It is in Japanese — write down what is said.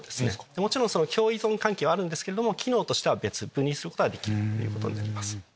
もちろん共依存関係はあるんですけれども機能としては別にすることはできるということになります。